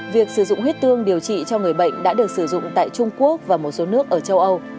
việc sử dụng huyết tương điều trị cho người bệnh đã được sử dụng tại trung quốc và một số nước ở châu âu